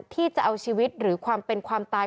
ที่จะเอาชีวิตหรือความเป็นความตาย